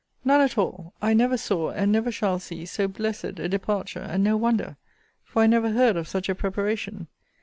None at all! I never saw, and never shall see, so blessed a departure: and no wonder; for I never heard of such a preparation.